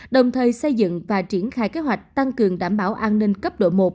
đồng thời xây dựng và triển khai kế hoạch tăng cường đảm bảo an ninh cấp độ một